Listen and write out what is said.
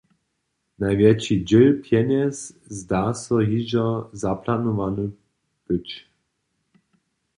Najwjetši dźěl pjenjez zda so hižo zaplanowany być.